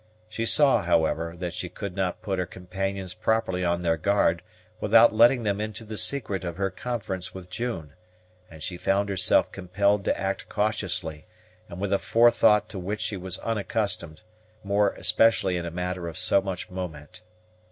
She saw, however, that she could not put her companions properly on their guard without letting them into the secret of her conference with June; and she found herself compelled to act cautiously and with a forethought to which she was unaccustomed, more especially in a matter of so much moment.